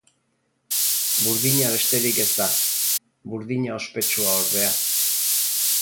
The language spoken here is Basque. Burdina besterik ez da, burdina ospetsua ordea.